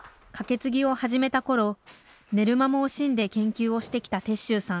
つぎを始めたころ寝る間も惜しんで研究をしてきた鉄舟さん。